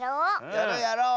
やろうやろう！